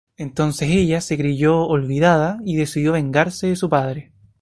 Entonces ella se creyó olvidada y decidió vengarse de su padre.